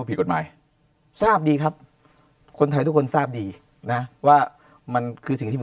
ผิดกฎหมายทราบดีครับคนไทยทุกคนทราบดีนะว่ามันคือสิ่งที่ผม